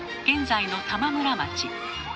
現在の玉村町。